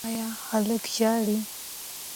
ایا هلک ژاړي؟